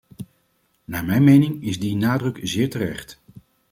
Naar mijn mening is die nadruk zeer terecht.